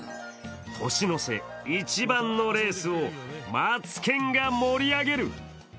年の瀬一番のレースをマツケンが盛り上げる！